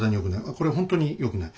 これほんとによくない。